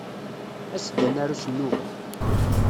As-d ad naru s nnuba.